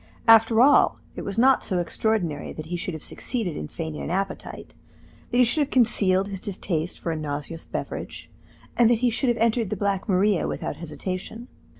After all, it was not so extraordinary that he should have succeeded in feigning an appetite, that he should have concealed his distaste for a nauseous beverage, and that he should have entered the Black Maria without hesitation.